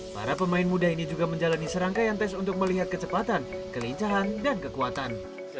pemuda ini juga menjalani serangkaian tes untuk melihat kecepatan kelincahan dan kekuatan